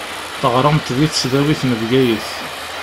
Teɣṛamt di tesdawit n Bgayet.